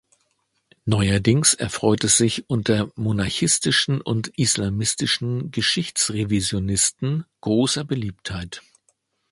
Neuerdings erfreut es sich unter monarchistischen und islamistischen Geschichtsrevisionisten große Beliebtheit.